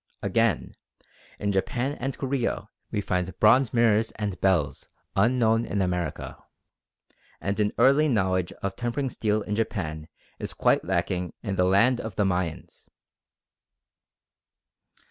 Again, in Japan and Korea we find bronze mirrors and bells unknown in America, and an early knowledge of tempering steel in Japan is quite lacking in the land of the Mayans.